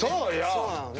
そうなのね。